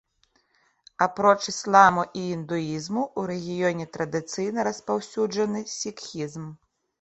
Апроч ісламу і індуізму, у рэгіёне традыцыйна распаўсюджаны сікхізм.